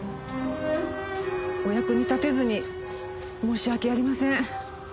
お役に立てずに申し訳ありません。